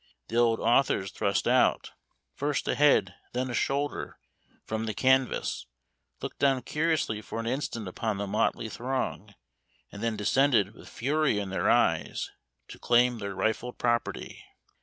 The old authors thrust out, first a head, then a shoulder, from the canvas, looked down curiously for an instant upon the motley throng, and then descended, with fury in their eyes, to claim their rifled property.